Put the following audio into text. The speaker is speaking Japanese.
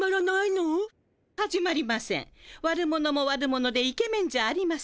悪者も悪者でイケメンじゃありません。